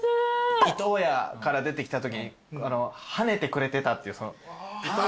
伊東屋から出てきたときに跳ねてくれてたっていう。